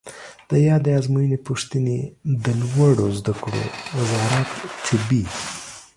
د یادې آزموینې پوښتنې د لوړو زده کړو وزارت طبي